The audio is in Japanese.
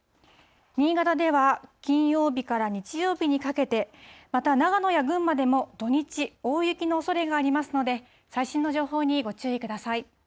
新潟では金曜日から日曜日にかけて、また長野や群馬でも土日、大雪のおそれがありますので、最新の情報にご注意ください。